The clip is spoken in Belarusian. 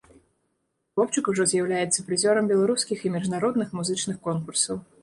Хлопчык ужо з'яўляецца прызёрам беларускіх і міжнародных музычных конкурсаў.